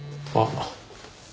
あっ。